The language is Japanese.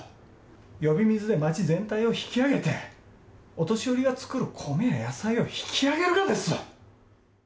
呼び水が町全体を引き上げて、お年寄りが作る米や野菜を引き上げるがです。